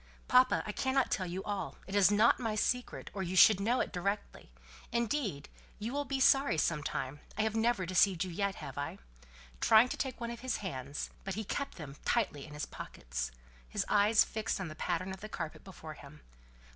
"Papa, I cannot tell you all. It is not my secret, or you should know it directly. Indeed, you will be sorry some time I have never deceived you yet, have I?" trying to take one of his hands; but he kept them tightly in his pockets, his eyes fixed on the pattern of the carpet before him.